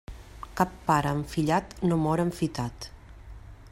Cap pare enfillat no mor enfitat.